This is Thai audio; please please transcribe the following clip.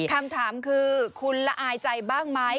คำถามคือคุณละอายใจบ้างไหม